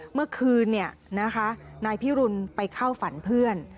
เมื่อคืนนายพิรุณไปเข้าฝันเพื่อน